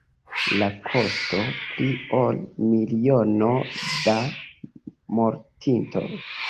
La kosto: pli ol miliono da mortintoj.